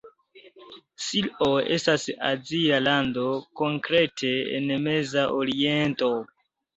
Sirio estas azia lando, konkrete en Meza Oriento.